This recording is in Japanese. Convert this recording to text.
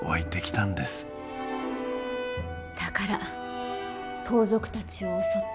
だから盗賊たちを襲った？